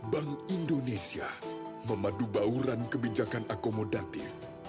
bank indonesia memadu bauran kebijakan akomodatif